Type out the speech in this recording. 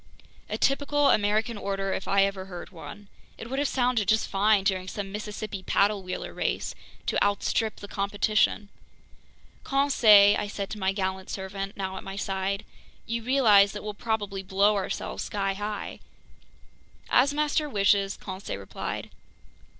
A typical American order if I ever heard one. It would have sounded just fine during some Mississippi paddle wheeler race, to "outstrip the competition!" "Conseil," I said to my gallant servant, now at my side, "you realize that we'll probably blow ourselves skyhigh?" "As master wishes!" Conseil replied.